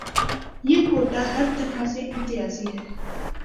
یہ کوٹہ ہرطرح سے امتیازی ہے۔